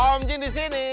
om jin di sini